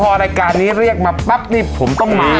พอรายการนี้เรียกมาปั๊บนี่ผมต้องมา